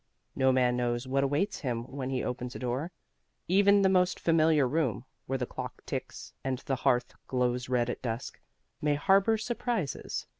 No man knows what awaits him when he opens a door. Even the most familiar room, where the clock ticks and the hearth glows red at dusk, may harbor surprises.